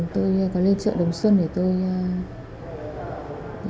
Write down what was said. tôi có lên chợ đồng xuân để tôi